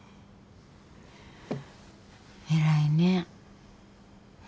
偉いね。